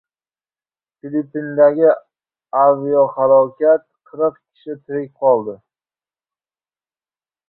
Filippindagi aviahalokat: qirq kishi tirik qoldi